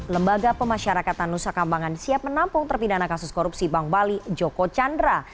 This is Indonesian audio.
lembaga pemasyarakatan nusakambangan siap menampung terpindahkan kasus korupsi bank bali joko chandra